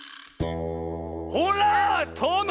ほらとの！